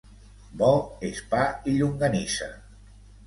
Bo és pa i llonganissa.